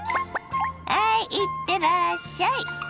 ハイいってらっしゃい。